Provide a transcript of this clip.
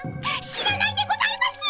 知らないでございます！